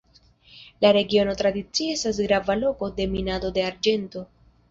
La regiono tradicie estas grava loko de minado de arĝento.